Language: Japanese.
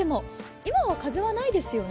今は風はないですよね。